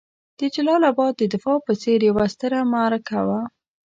د جلال اباد د دفاع په څېر یوه ستره معرکه وه.